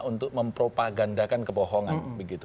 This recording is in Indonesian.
untuk mempropagandakan kebohongan